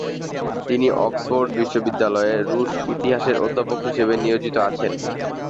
তিনি অক্সফোর্ড বিশ্ববিদ্যালয়ে রুশ ইতিহাসের অধ্যাপক হিসেবে নিয়োজিত আছেন।